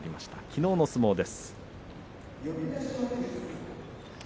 きのうの相撲です。